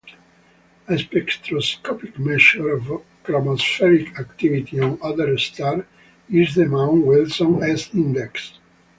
A spectroscopic measure of chromospheric activity on other stars is the Mount Wilson S-index.